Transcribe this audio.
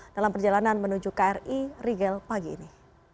dalam perjalanan menuju kri rigel pagi ini